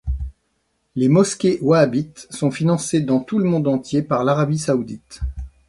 Les mosquées wahhabites sont financées dans tout le monde entier par l'Arabie saoudite.